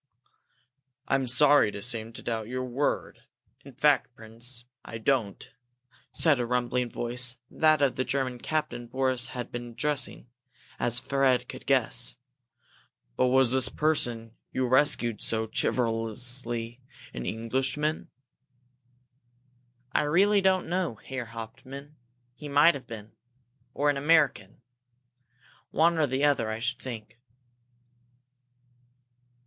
"I'm sorry to seem to doubt your word. In fact, Prince, I don't," said a rumbling voice, that of the German captain Boris had been addressing, as Fred could guess. "But was this person you rescued so chivalrously an Englishman?" "I really don't know, Herr Hauptmann. He might have been. Or an American. One or the other, I should think."